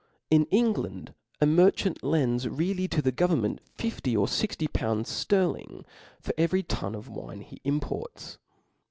In England a mer* chant lends really to the government fifty or fixcy , pounds; fterling for every tun of wine he imports.